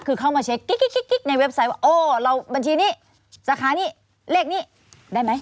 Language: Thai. คือเข้ามาเช็คกิ๊กในเว็บไซต์ว่าโอ้เราบัญชีนี้สาขานี้เลขนี้ได้ไหม